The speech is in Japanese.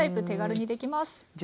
手軽にできます。